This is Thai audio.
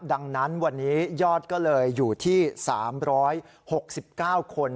ดังนั้นวันนี้ยอดก็เลยอยู่ที่สามร้อยหกสิบเก้าคน